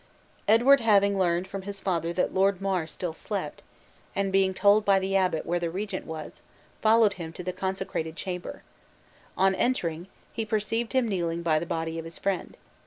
Edward having learned from his father that Lord Mar still slept, and being told by the abbot where the regent was, followed him to the consecrated chamber. On entering, he perceived him kneeling by the body of his friend.